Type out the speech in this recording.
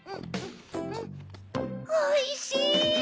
おいしい！